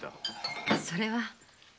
それは。